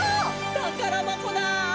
たからばこだ！